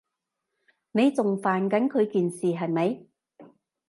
你仲煩緊佢件事，係咪？